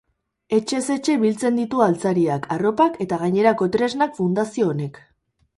Etxez etxe biltzen ditu altzariak, arropak eta gainerako tresnak fundazio honek.